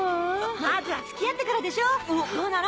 まずは付き合ってからでしょどうなの？